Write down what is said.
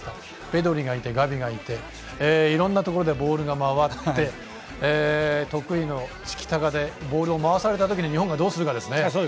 ペドリがいて、ガビがいていろんなところでボールが回って得意のチキタカでボールを回されたときに日本がどうするかですね。